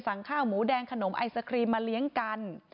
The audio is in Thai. ข้าวหมูแดงขนมไอศครีมมาเลี้ยงกัน